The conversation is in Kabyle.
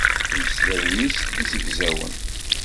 Imeslayen-is d izegzawen.